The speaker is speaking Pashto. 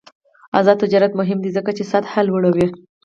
آزاد تجارت مهم دی ځکه چې سطح لوړوي.